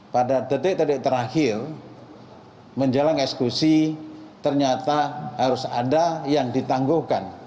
pada detik detik terakhir menjelang ekskusi ternyata harus ada yang ditangguhkan